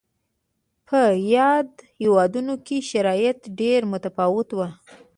په یادو هېوادونو کې شرایط ډېر متفاوت و.